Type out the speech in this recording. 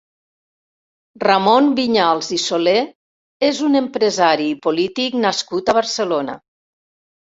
Ramon Viñals i Soler és un empresari i polític nascut a Barcelona.